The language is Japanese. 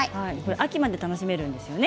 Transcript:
秋まで楽しめるんですよね。